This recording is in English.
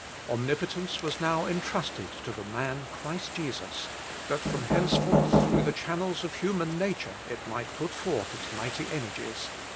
Omnipotence was now entrusted to the man Christ Jesus, that from henceforth through the channels of human nature it might put forth its mighty energies.